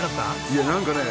「いや何かね